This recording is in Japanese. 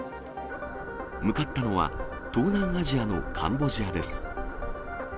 向かったのは、東南アジアのカンボジアです。